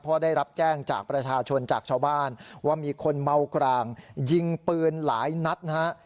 เพราะได้รับแจ้งจากประชาชนจากชาวบ้านว่ามีคนเมากรางยิงปืนหลายนัดนะฮะ